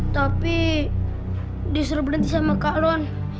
tapi disuruh berhenti sama kak lon